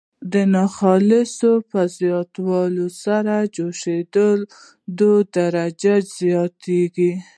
د ناخالصې په زیاتولو سره جوشیدو درجه زیاتیږي.